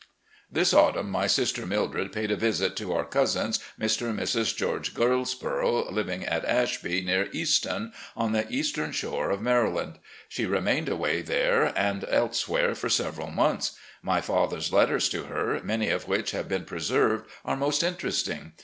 This autumn my sister Mildred paid a visit to our cousins, Mr. and Mrs. George Gk)ldsborough, living at "Ashby," near Easton, on the Eastern Shore of Mary land. She remained away there and elsewhere for several months. My father's letters to her, many of which have been preserved, are most interesting.